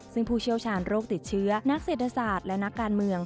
ซึ่งผู้เชี่ยวชาญโรคติดเชื้อนักเศรษฐศาสตร์และนักการเมือง